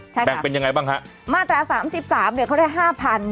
ใช่ค่ะแปลงเป็นยังไงบ้างฮะมาตรา๓๓เดี๋ยวเขาได้๕๐๐๐